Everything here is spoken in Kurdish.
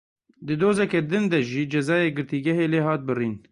Di dozeke din de jî cezayê girtîgehê lê hat birîn.